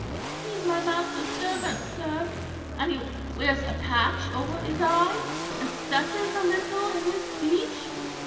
"He is my master's servant, sir; and he wears a patch over his eye; and stutters a little in his speech."